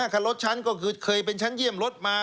คันรถฉันก็คือเคยเป็นชั้นเยี่ยมรถมา